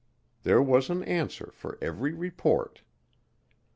There was an answer for every report.